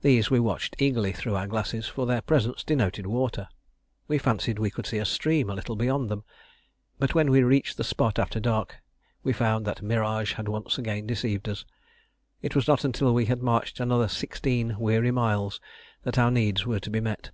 These we watched eagerly through our glasses, for their presence denoted water. We fancied we could see a stream a little beyond them, but when we reached the spot after dark we found that mirage had once again deceived us. It was not until we had marched another sixteen weary miles that our needs were to be met.